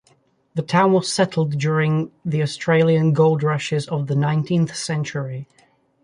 The town was settled during the Australian gold rushes of the nineteenth century.